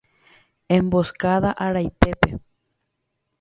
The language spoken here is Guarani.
Emboscada araitépe.